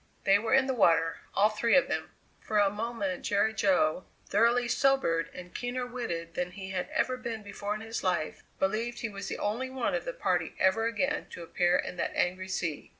They were in the water, all three of them! For a moment Jerry Jo, thoroughly sobered and keener witted than he had ever been before in his life, believed he was the only one of the party ever again to appear in that angry sea.